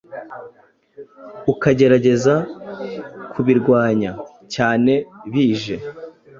ukagerageza kubirwanya.cyane bije